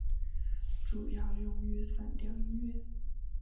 主要用于散调音乐。